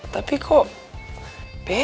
tapi kok beda ya